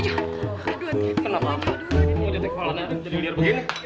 udah dikepala jadi udah begini